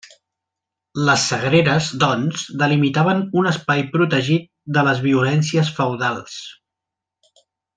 Les sagreres, doncs, delimitaven un espai protegit de les violències feudals.